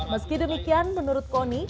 meski demikian menurut kony